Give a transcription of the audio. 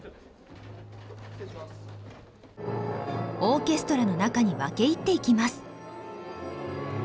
オーケストラの中に分け入っていきます。